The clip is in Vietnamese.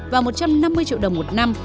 và một trăm năm mươi triệu đồng một năm